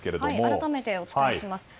改めてお伝えします。